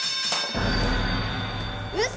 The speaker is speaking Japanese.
うそ！